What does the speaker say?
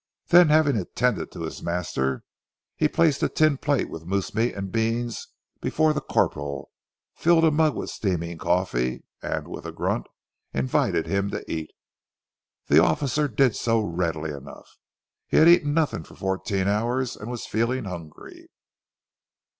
Then having attended to his master, he placed a tin plate with moose meat and beans before the corporal, filled a mug with steaming coffee, and with a grunt invited him to eat. The officer did so readily enough. He had eaten nothing for fourteen hours and was feeling hungry.